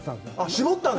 絞ったの？